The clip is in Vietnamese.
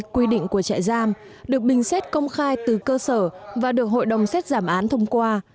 quy định của trại giam được bình xét công khai từ cơ sở và được hội đồng xét giảm án thông qua